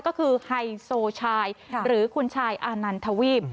ก็คือไฮโซชายหรือคุณชายอานันทวีป